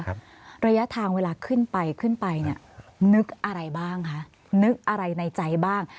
ระยะทางเวลาขึ้นไปขึ้นไปเนี่ยนึกอะไรบ้างคะนึกอะไรในใจบ้าง